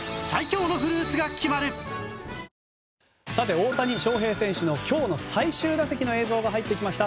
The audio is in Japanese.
大谷翔平選手の今日の最終打席の映像が入ってきました。